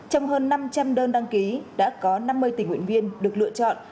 trong hơn năm trăm linh đơn đăng ký đã có năm mươi tình nguyện viên được lựa chọn